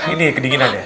ini kedinginan ya